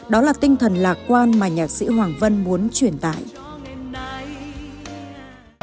đó là tinh thần lạc quan mà nhạc sĩ hoàng vân muốn truyền tải